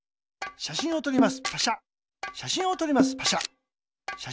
しゃしんをとります。